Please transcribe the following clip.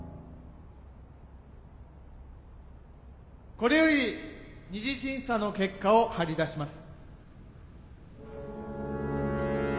これより二次審査の結果をはり出します。